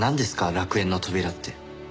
楽園の扉って。